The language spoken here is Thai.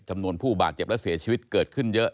จำนวนผู้บาดเจ็บและเสียชีวิตเกิดขึ้นเยอะ